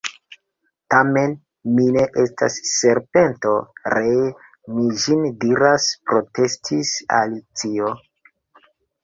"Tamen mi ne estas serpento, ree mi ĝin diras," protestis Alicio.